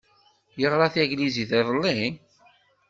Yeɣṛa taglizit iḍelli?